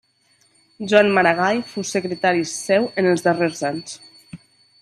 Joan Maragall fou secretari seu en els darrers anys.